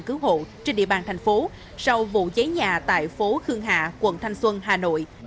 cứu hộ trên địa bàn thành phố sau vụ cháy nhà tại phố khương hạ quận thanh xuân hà nội